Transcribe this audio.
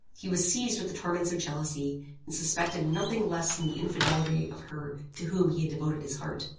He was seized with the torments of jealousy, and suspected nothing less than the infidelity of her to whom he had devoted his heart.